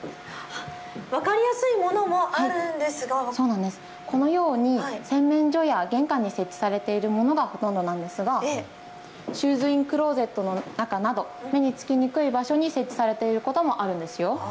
分かりやすいものもあるんですがこのように洗面所や玄関に設置されているものがほとんどなんですがシューズインクローゼットの中など目につきにくい場所に設置されていることもあるんですよ。